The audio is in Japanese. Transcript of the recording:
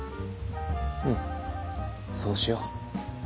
うんそうしよう